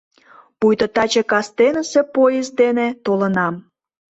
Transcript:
Пуйто таче кастенысе поезд дене толынам.